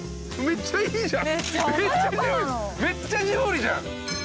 めっちゃジブリじゃん！